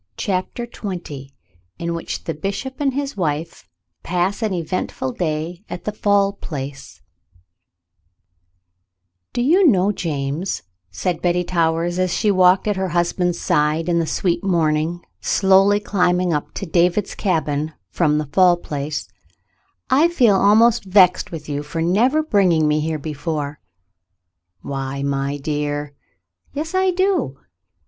CHAPTER XX IN WHICH THE BISHOP AND HIS WIFE PASS AN EVENTFUL DAY AT THE FALL PLACE *'Do you know, James," said Betty Towers, as she walked at her husband's side in the sweet morning, slowly climbing up to David's cabin from the Fall Place, *'I feel almost vexed with you for never bringing me here before." *' Why — my dear !" Yes, I do.